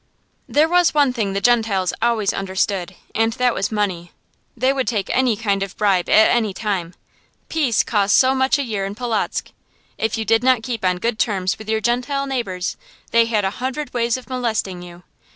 There was one thing the Gentiles always understood, and that was money. They would take any kind of bribe at any time. Peace cost so much a year in Polotzk. If you did not keep on good terms with your Gentile neighbors, they had a hundred ways of molesting you.